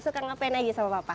suka gak pengen aja sama papa